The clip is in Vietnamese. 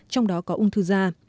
trong đó có ung thư da